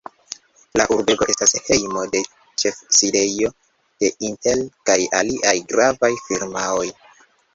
La urbego estas hejmo de ĉefsidejo de Intel kaj aliaj gravaj firmaoj.